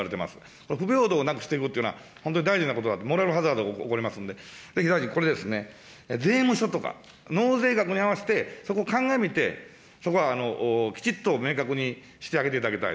この不平等をなくしてくってことは本当に大事なことだと、モラルハザードが起こりますので、ぜひ大臣、これ、税務署とか納税額に合わせてそこを鑑みて、そこはきちっと明確にしてあげていただきたい。